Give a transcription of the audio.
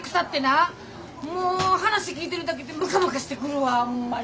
もう話聞いてるだけでムカムカしてくるわホンマに。